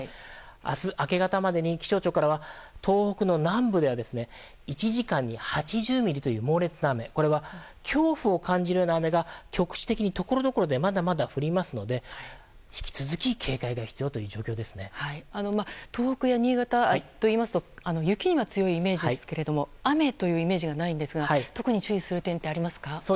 明日明け方までに気象庁からは東北の南部では１時間に８０ミリという猛烈な雨これは恐怖を感じるような雨が局地的にところどころでまだまだ降りますので引き続き警戒が必要という東北や新潟といいますと雪には強いイメージですが雨というイメージがないんですが特に注意する点ってありますか？